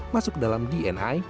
masuk dalam dni